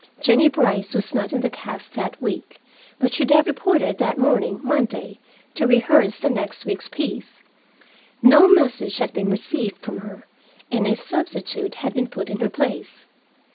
Jennie Brice was not in the cast that week, but should have reported that morning (Monday) to rehearse the next week's piece. No message had been received from her, and a substitute had been put in her place.